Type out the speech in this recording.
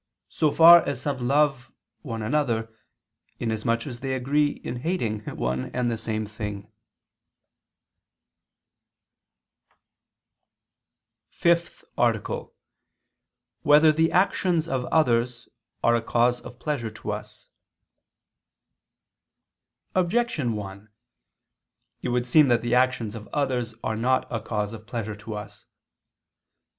so far as some love one another, inasmuch as they agree in hating one and the same thing. ________________________ FIFTH ARTICLE [I II, Q. 32, Art. 5] Whether the Actions of Others Are a Cause of Pleasure to Us? Objection 1: It would seem that the actions of others are not a cause of pleasure to us.